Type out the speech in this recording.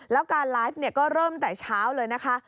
แล้วการไลฟ์ก็เริ่มแต่เช้าเลยนะคะ